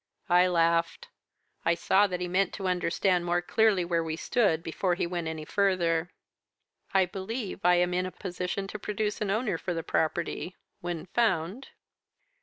"I laughed. I saw that he meant to understand more clearly where we stood before he went any further. "'I believe I am in a position to produce an owner for the property when found.'